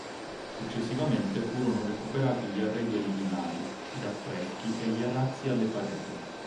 Successivamente furono recuperati gli arredi originali, gli affreschi e gli arazzi alle pareti.